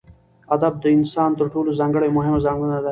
ادب دانسان تر ټولو ځانګړې او مهمه ځانګړنه ده